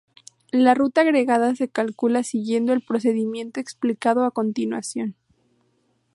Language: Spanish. La ruta agregada se calcula siguiendo el procedimiento explicado a continuación.